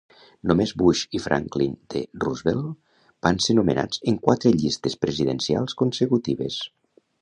Només Bush i Franklin D. Roosevelt van ser nomenats en quatre llistes presidencials consecutives.